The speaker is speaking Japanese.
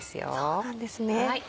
そうなんですね。